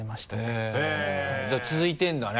へぇじゃあ続いてるんだね。